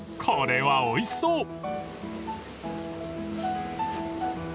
［これはおいしそう！］